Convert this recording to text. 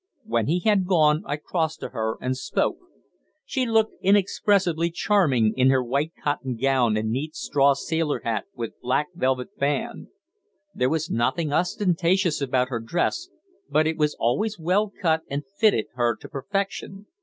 When he had gone, I crossed to her and spoke. She looked inexpressibly charming in her white cotton gown and neat straw sailor hat with black velvet band. There was nothing ostentatious about her dress, but it was always well cut and fitted her to perfection.